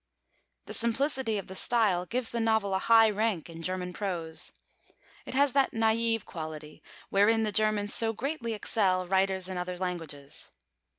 The simplicity of the style gives the novel a high rank in German prose. It has that naïve quality wherein the Germans so greatly excel writers in other languages.